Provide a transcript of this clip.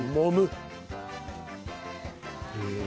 へえ。